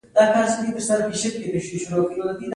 خو پوښتنه دا وه چې کارنګي به خرڅلاو ته غاړه کېږدي؟